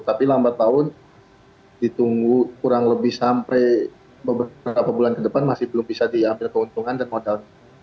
tapi lambat tahun ditunggu kurang lebih sampai beberapa bulan ke depan masih belum bisa diambil keuntungan dan modal